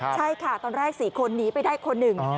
ใช่ค่ะตอนแรก๔คนหนีไปได้คนหนึ่ง